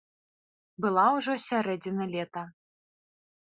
Была ўжо сярэдзіна лета.